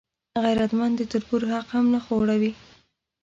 غیرتمند د تربور حق هم نه خوړوي